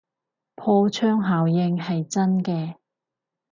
破窗效應係真嘅